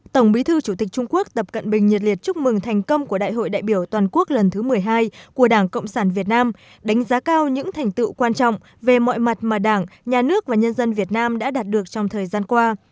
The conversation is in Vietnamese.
tổng bí thư chủ tịch trung quốc tập cận bình nhiệt liệt chúc mừng thành công của đại hội đại biểu toàn quốc lần thứ một mươi hai của đảng cộng sản việt nam đánh giá cao những thành tựu quan trọng về mọi mặt mà đảng nhà nước và nhân dân việt nam đã đạt được trong thời gian qua